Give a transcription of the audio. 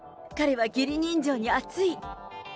彼は義理人情に厚い。